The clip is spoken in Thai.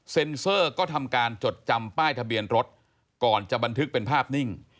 เซอร์ก็ทำการจดจำป้ายทะเบียนรถก่อนจะบันทึกเป็นภาพนิ่ง